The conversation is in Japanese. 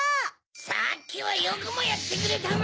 さっきはよくもやってくれたな！